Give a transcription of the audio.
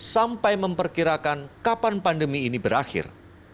dan memperkirakan kapan pandemi ini berakhir